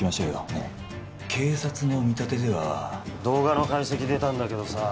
え警察の見立てでは動画の解析出たんだけどさ